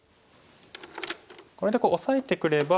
これでオサえてくれば。